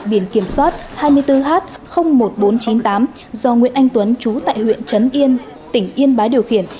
biển kiểm soát hai mươi bốn h một nghìn bốn trăm chín mươi tám do nguyễn anh tuấn trú tại huyện trấn yên tỉnh yên bái điều khiển